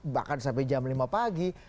bahkan sampai jam lima pagi